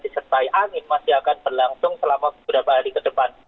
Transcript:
disertai angin masih akan berlangsung selama beberapa hari ke depan